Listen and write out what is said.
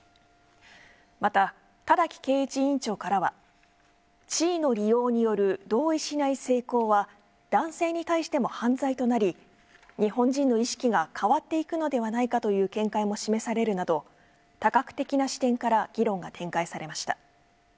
また、但木敬一委員長からは地位の利用による同意しない性交は男性に対しても犯罪となり日本人の意識が変わっていくのではないかという見解も示されるなど多角的な視点から議論が展開されました。